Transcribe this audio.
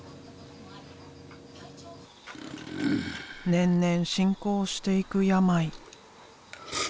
年々進行していく病。